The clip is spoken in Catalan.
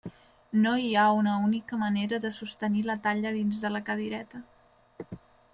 No hi ha una única manera de sostenir la talla dins de la cadireta.